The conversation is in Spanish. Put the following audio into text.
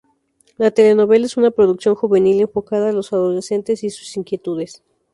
La telenovela es una producción juvenil enfocada a los adolescentes y sus inquietudes.